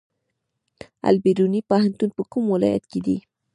البیروني پوهنتون په کوم ولایت کې دی؟